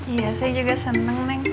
iya saya juga senang neng